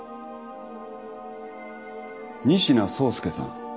仁科壮介さん